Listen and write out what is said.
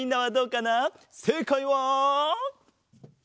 せいかいは。